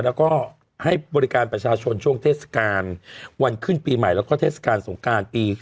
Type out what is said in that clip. แล้วก็ให้บริการประชาชนช่วงเทศกาลวันขึ้นปีใหม่แล้วก็เทศกาลสงการปี๒๕๖